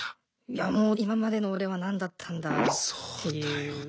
いやもう今までの俺は何だったんだっていう。